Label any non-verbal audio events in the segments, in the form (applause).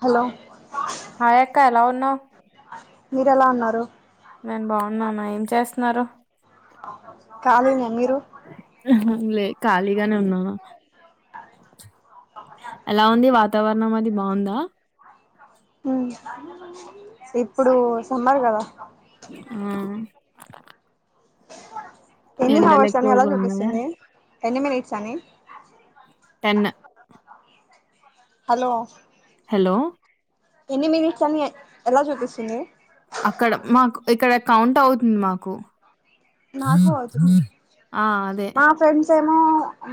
Hello hi అక్క ఎలా ఉన్నావ్ మీర ఎలా ఉన్నారు నేను బాగున్నాను ఏం చేస్తున్నారు కాలనీ అ మీరు ఆహా లే ఖాళీగానే ఉన్నానా ఎలా ఉంది వాతావరణం అది బాగుందా ఇప్పుడు సమ్మర్ కదా అ ఎన్ని హవర్స్ అని అలా ఉన్నాయా చూపిస్తుంది ఎన్ని మనిట్స్ అని తెన్ హలో హలో ఎన్ని మినిట్స్ అని ఎలా చూపిస్తుంది అక్కడ మాకు ఇక్కడ కౌంట్ అవుతుంది మాకు నాకు అవుతుంది ఆ అదే మా ఫ్రెండ్స్ ఏమో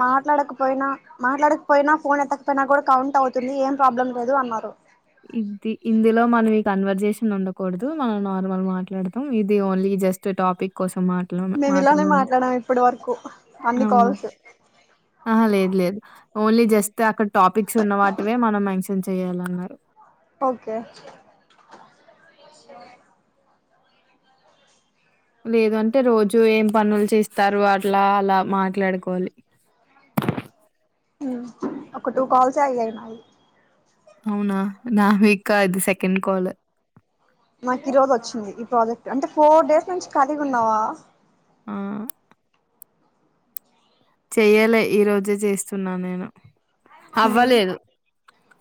మాట్లాడకపోయినా మాట్లాడకపోయినా ఫోన్ ఎత్తకపోయినా కూడా కౌంట్ అవుతుంది ఏం ప్రాబ్లం లేదు అన్నారు ఇది ఇందులో మనం ఈ కన్వర్జేషన్ ఉండకూడదు మనం నార్మల్ మాట్లాడతాం ఇది ఓన్లీ జస్ట్ టాపిక్ కోసం మాట మేము ఇలానే మాత్రమేన మాట్లాడాం ఇప్పటి వరకు అన్ని అవునా కాల్స్ ఆహా లేదు లేదు ఓన్లీ జస్ట్ అక్కడ టాపిక్స్ ఉన్న వాటివే మనం మెన్షన్ చెయాలన్నారు ఓకే లేదుంటే రోజు ఏం పనులు చేస్తారు అట్లా అలా మాట్లాడుకోవాలి ఉ ఒక టూ కాల్స్ అయయి మావి అవునా నావీకా ఇది సెకండ్ కాల్ నాకు ఈ రోజు వచ్చింది ఈ ప్రాజెక్ట్ అంటే ఫోర్ డేస్ నుంచి కాలిగా ఉన్నావా ఆ చెయ్యాలి ఈ రోజే చేస్తున్నాను నేను అవ్వలేదు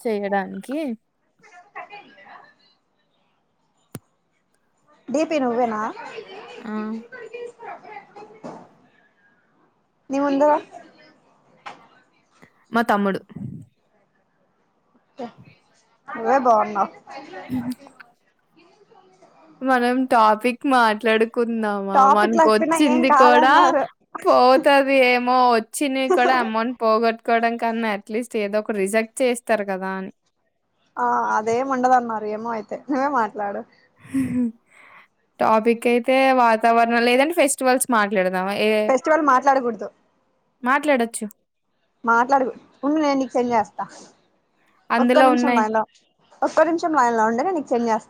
చేయడానికి క (unintelligible) డిపి నువ్వేనా ఆ నిముందర మా తమ్ముడు నువ్వే బాగున్నావ్ (inaudible) ఏల్ మనం టాపిక్ మాట్లాడుకుందామా టాపిక్ మనకు లేకపోయినా ఏం వచ్చింది కూడా కాదన్నారు పోతది ఏమో వచ్చింది కూడా అమౌంట్ పోగొట్టుకోవడం కన్నా అట్లీస్ట్ ఏదో ఒక రిజెక్ట్ చేస్తారు కదా అని ఆ అదేమి ఉండదు అన్నారు ఏమో అయితే నువ్వే మాట్లాడు టాపిక్ అయితే వాతావరణం లేదంటే ఫెస్టివల్స్ మాట్లాడదం ఫెస్టివల్ మాట్లాడకూడదు మాట్లాడొచ్చు మాట్లాడుకూడదు ఉండు నేను నీకు సెండ్ చేస్తా అందులో ఒక్క ఉన్నాయి. నిమిషంలైన్లో ఒక్క నిమిషంలైన్లో ఉండే నీకు నేను సెండ్ చేస్